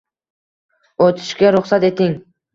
O'tishga ruxsat eting